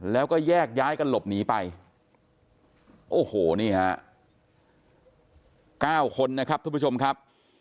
แล้วก็แยกย้ายกันหลบหนีไป๙คนทุกผู้ชมครับ